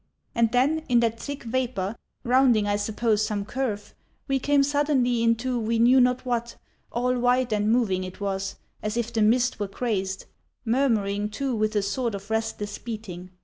And then, in that thick vapour, rounding I suppose some curve, we came suddenly into we knew not what—all white and moving it was, as if the mist were crazed; murmuring, too, with a sort of restless beating.